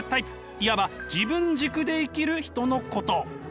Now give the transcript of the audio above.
いわば自分軸で生きる人のこと。